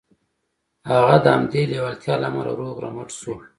هغه د همدې لېوالتیا له امله روغ رمټ شو